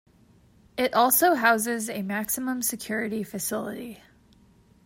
It also houses a maximum security facility.